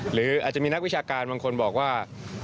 หรืออาจจะมีนักวิชาการบางคนบอกว่า